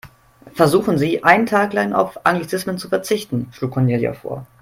Versuchen Sie, einen Tag lang auf Anglizismen zu verzichten, schlug Cornelia vor.